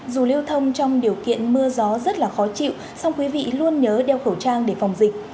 dù lưu thông trong điều kiện mưa gió rất là khó chịu song quý vị luôn nhớ đeo khẩu trang để phòng dịch